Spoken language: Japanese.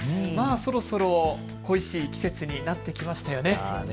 そろそろ恋しい季節になってきましたよね。